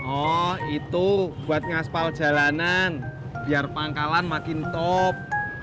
oh itu buat ngaspal jalanan biar pangkalan makin top